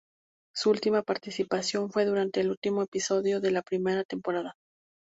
Su última participación fue durante el último episodio de la primera temporada.